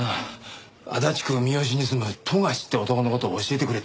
足立区三善に住む冨樫って男の事を教えてくれって。